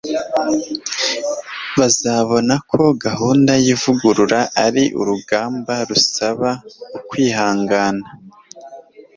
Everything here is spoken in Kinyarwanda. bazabona ko gahunda yivugurura ari urugamba rusaba ukwihangana